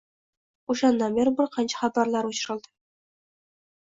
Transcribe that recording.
O'shandan beri bir qancha xabarlar o'chirildi